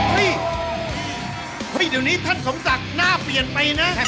เฮ้ยเดี๋ยวนี้ท่านสมศักดิ์หน้าเปลี่ยนไปนะ